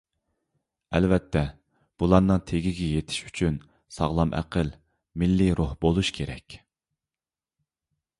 ئەلۋەتتە، بۇلارنىڭ تېگىگە يېتىش ئۈچۈن ساغلام ئەقىل، مىللىي روھ بولۇش كېرەك.